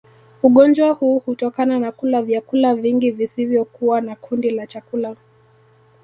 ugonjwa huu hutokana na kula vyakula vingi visivyokuwa na kundi la chakula